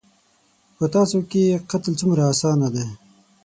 _په تاسو کې قتل څومره اسانه دی.